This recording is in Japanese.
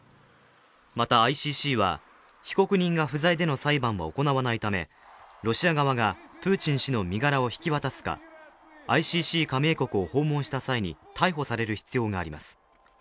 またＩＣＣは被告人が不在での裁判は行わないため、ロシア側がプーチン氏の身柄を引き渡すかＩＣＣ加盟国を訪問した際に逮捕される必要があります。